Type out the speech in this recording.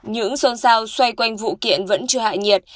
những xôn xao xoay quanh vụ kiện vẫn chưa hạ nhiệt